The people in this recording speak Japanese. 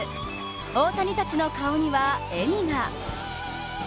大谷たちの顔には笑みが。